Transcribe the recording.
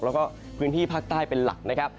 แล้วก็พื้นที่ภาคใต้เป็นหลักนะครับ